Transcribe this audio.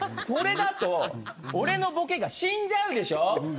これだと俺のボケが死んじゃうでしょ。